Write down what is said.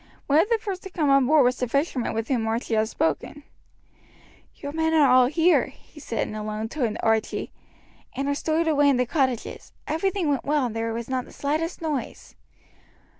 One of the first to come on board was the fisherman with whom Archie had spoken. "Your men are all here," he said in a low tone to Archie, "and are stowed away in the cottages. Everything went well, and there was not the slightest noise."